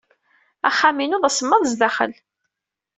Axxam-inu d asemmaḍ sdaxel.